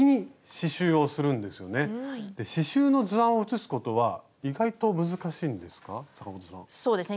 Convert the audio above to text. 刺しゅうの図案を写すことは意外と難しいんですか？